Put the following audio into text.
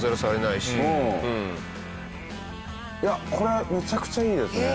いやこれめちゃくちゃいいですね。